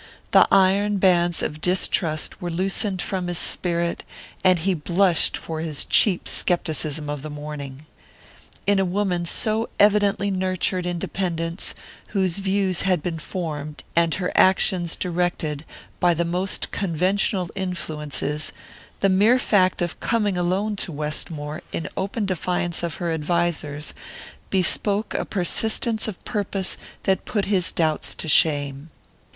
The iron bands of distrust were loosened from his spirit, and he blushed for his cheap scepticism of the morning. In a woman so evidently nurtured in dependence, whose views had been formed, and her actions directed, by the most conventional influences, the mere fact of coming alone to Westmore, in open defiance of her advisers, bespoke a persistence of purpose that put his doubts to shame.